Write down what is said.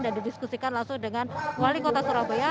dan didiskusikan langsung dengan wali kota surabaya